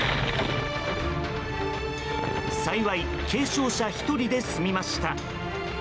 幸い、軽傷者１人で済みました。